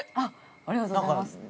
ありがとうございます。